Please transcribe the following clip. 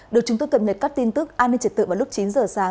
được chúng tôi cập nhật các tin tức an ninh trật tự vào lúc chín giờ sáng